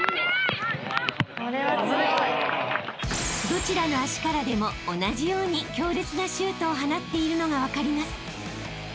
［どちらの足からでも同じように強烈なシュートを放っているのが分かります］